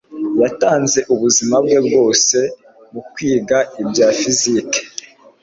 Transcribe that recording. Yatanze ubuzima bwe bwose mukwiga ibya fiziki.